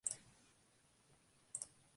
Blue Juice fue filmada en Cornwall.